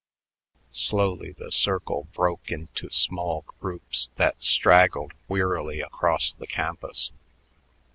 Slowly the circle broke into small groups that straggled wearily across the campus.